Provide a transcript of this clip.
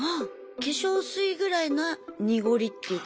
化粧水ぐらいな濁りっていうか。ね。